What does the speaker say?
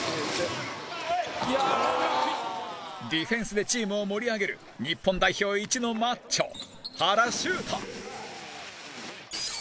ディフェンスでチームを盛り上げる日本代表一のマッチョ、原修太